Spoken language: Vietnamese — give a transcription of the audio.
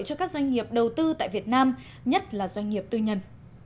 cho các doanh nghiệp đầu tư tại việt nam nhất là doanh nghiệp tư nhân